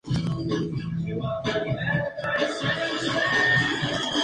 En julio sufrió una lesión en la rodilla izquierda.